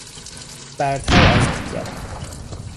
برتر از دیگران